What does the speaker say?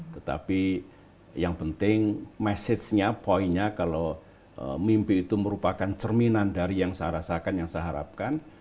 tetapi yang penting message nya poinnya kalau mimpi itu merupakan cerminan dari yang saya rasakan yang saya harapkan